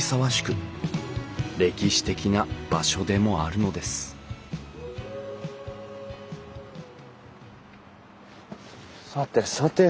歴史的な場所でもあるのですさてさて